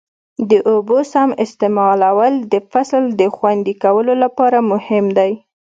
د اوبو سم استعمال د فصل د خوندي کولو لپاره مهم دی.